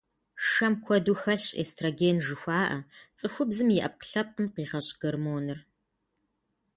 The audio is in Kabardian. Шэм куэду хэлъщ эстроген жыхуаӀэ, цӀыхубзым и Ӏэпкълъэпкъым къигъэщӀ гормоныр.